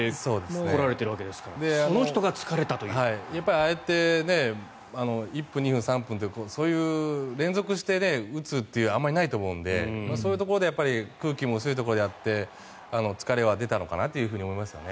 ああやって１分、２分、３分というそういう連続して打つというのはあまりないと思うのでそういうところで空気も薄いところでやって疲れは出たのかなと思いますね。